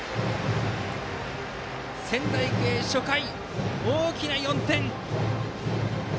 仙台育英、初回大きな４点！